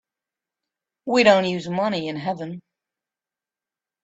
We don't use money in heaven.